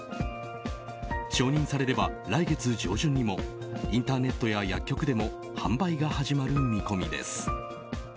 承認されれば来月上旬にもインターネットや薬局でも販売が始まる見込みです。